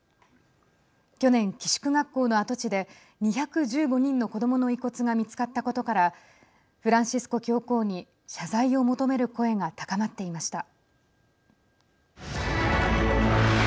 去年、寄宿学校の跡地で２１５人の子どもの遺骨が見つかったことからフランシスコ教皇に謝罪を求める声が高まっていました。